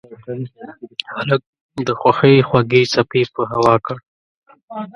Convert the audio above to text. هلک د خوښۍ خوږې څپې په هوا کړ.